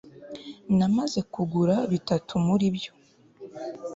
namaze kugura bitatu muri byo